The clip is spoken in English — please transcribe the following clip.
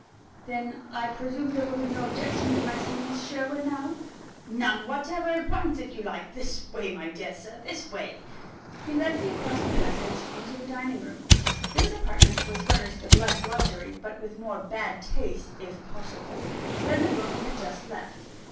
"Then I presume there will be no objection to my seeing Miss Sherwin now?" "None whatever at once, if you like. This way, my dear Sir; this way," and he led me across the passage, into the dining room. This apartment was furnished with less luxury, but with more bad taste (if possible) than the room we had just left.